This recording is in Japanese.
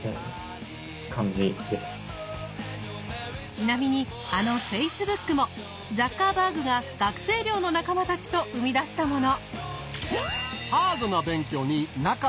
ちなみにあのフェイスブックもザッカーバーグが学生寮の仲間たちと生み出したもの。